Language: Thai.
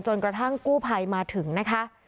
กระทั่งกู้ภัยมาถึงนะคะ